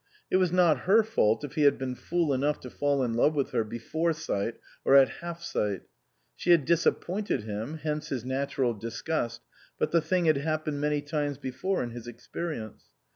It was not her fault if he had been fool enough to fall in love with her before sight or at half sight. She had disappointed him (hence his natural disgust) ; but the thing had happened many times before in his experience.